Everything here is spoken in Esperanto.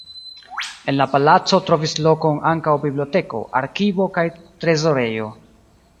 En la palaco trovis lokon ankaŭ biblioteko, arkivo kaj trezorejo.